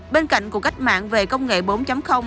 bên cạnh cuộc cách mạng về công nghệ bốn